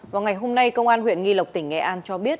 vào ngày hôm nay công an huyện nghi lộc tỉnh nghệ an cho biết